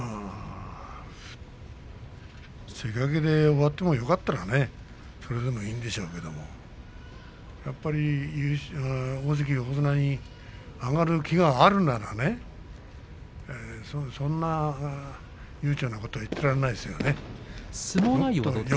関脇で終わってもよければそれでもいいでしょうけどやっぱり大関横綱に上がる気があるなら悠長なことは言ってられないですよ。